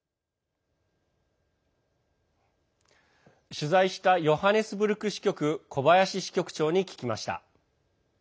取材したヨハネスブルク支局小林支局長に聞きました。